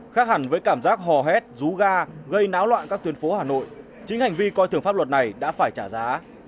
khác hẳn với cảm giác hò hét rú ga gây náo loạn các tuyến phố hà nội chính hành vi coi thường pháp luật này đã phải trả giá